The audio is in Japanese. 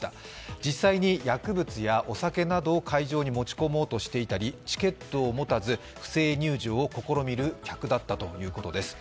実際に薬物やお酒などを会場に持ち込もうとしていたりチケットを持たず不正入場を試みる客だったということです。